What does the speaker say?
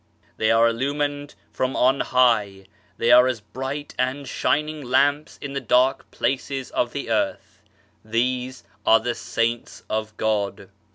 They are illumined from on high ; they are as bright and shining lamps in the dark places of the earth. These are the Saints of God.